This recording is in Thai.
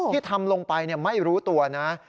ที่ทำลงไปไม่รู้ตัวนะ